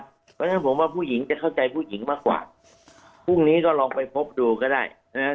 เพราะฉะนั้นผมว่าผู้หญิงจะเข้าใจผู้หญิงมากกว่าพรุ่งนี้ก็ลองไปพบดูก็ได้นะครับ